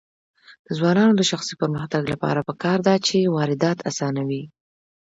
د ځوانانو د شخصي پرمختګ لپاره پکار ده چې واردات اسانوي.